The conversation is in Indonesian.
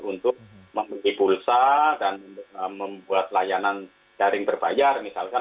untuk memiliki pulsa dan membuat layanan daring berbayar misalkan